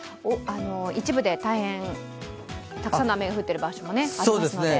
一部で大変、たくさんの雨が降ってる場所がありますので。